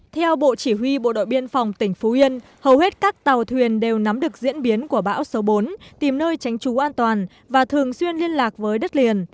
theo bộ chỉ huy bộ đội biên phòng tỉnh phú yên hầu hết các tàu thuyền đều nắm được diễn biến của bão số bốn tìm nơi tránh trú an toàn và thường xuyên liên lạc với đất liền